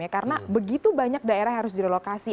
karena begitu banyak daerah yang harus dilokasi